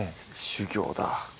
修行だ。